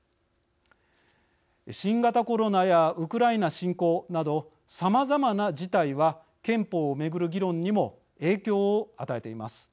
新型コロナやウクライナ侵攻などさまざまな事態は憲法を巡る議論にも影響を与えています。